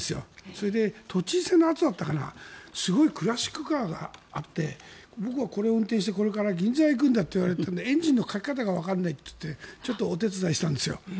それで都知事選のあとだったかなすごいクラシックカーがあって僕はこれを運転してこれから銀座に行くんだって言われたけどエンジンのかけ方がわからないって言ってちょっとお手伝いしたんですよ。